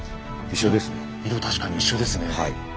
一緒ですね。